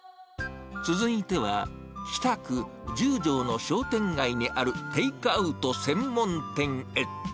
続いては、北区十条の商店街にあるテイクアウト専門店へ。